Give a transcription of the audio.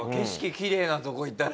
きれいなとこ行ったら。